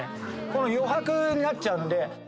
余白になっちゃうので。